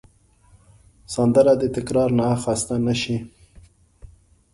سندره د تکرار نه خسته نه شي